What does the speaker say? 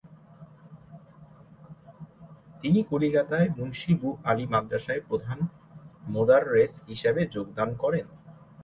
তিনি কলিকাতায় মুন্সী বু আলী মাদ্রাসায় প্রধান মোদাররেছ হিসাবে যোগদান করেন।